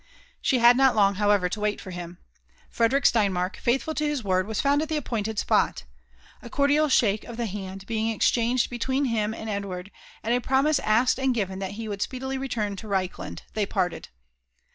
She had not long, however, to wait for him. Frederick Steinmark, feiithful to his word, was found at the appointed spot. A cordial shake of the hand being exchanged between him and Edward, and a promise asked and given that he would speedily return toReichland, they parted.